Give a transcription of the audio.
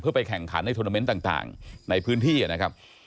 ไปแข่งขันในโทรเมนต์ต่างในพื้นที่นะครับ